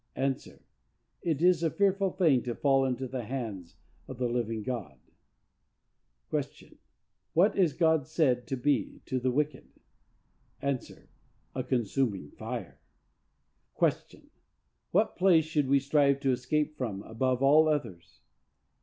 —A. "It is a fearful thing to fall into the hands of the living God." Q. What is God said to be to the wicked?—A. A consuming fire. Q. What place should we strive to escape from above all others?